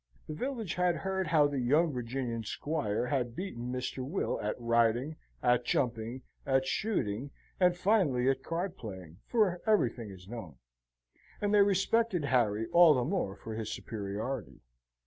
The village had heard how the young Virginian squire had beaten Mr. Will at riding, at jumping, at shooting, and finally at card playing, for everything is known; and they respected Harry all the more for this superiority.